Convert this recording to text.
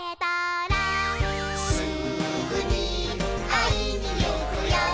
「すぐにあいにいくよ」